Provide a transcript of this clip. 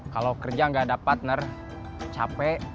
kalau kerja nggak ada partner capek